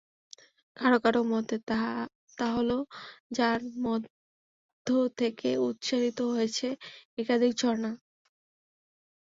কারো কারো মতে, তাহলো যার মধ্য থেকে উৎসারিত হয়েছে একাধিক ঝরনা।